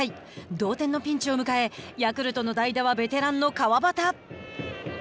同点のピンチを迎えヤクルトの代打はベテランの川端。